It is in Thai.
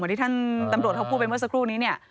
ที่ท่านตำรวจเขาพูดไปเมื่อสักครู่นี้เนี่ย